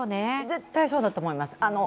絶対そうだと思います